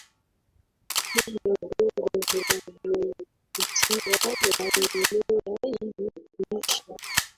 kwenye udongo vinavyohitajiwa na mimea ili kuishi